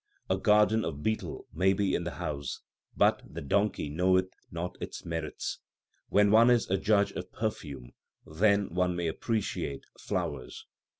A garden of betel may be in the house, but the donkey knoweth not its merits. When one is a judge of perfume, then may one appreciate flowers.